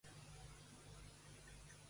Junqueras vol exercir el vot personalment.